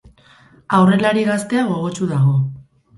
Aurrelari gaztea gogotsu dago.